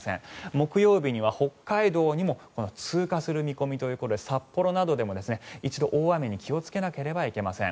木曜日には北海道にも通過する見込みということで札幌などでも一度、大雨に気をつけなければいけません。